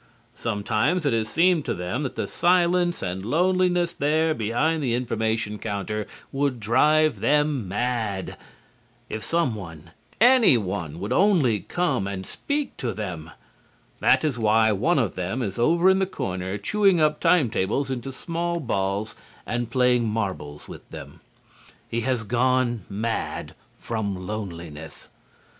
Sometimes it has seemed to them that the silence and loneliness there behind the information counter would drive them mad. If some one any one would only come and speak to them! That is why one of them is over in the corner chewing up time tables into small balls and playing marbles with them. He has gone mad from loneliness.